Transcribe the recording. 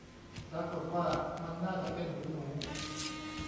ปรากฏว่า มันน่าจะเป็นหูหนู